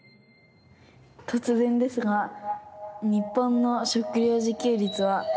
とつぜんですが日本の食料自給率は。